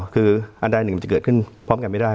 คืออันใดหนึ่งมันจะเกิดขึ้นพร้อมกันไม่ได้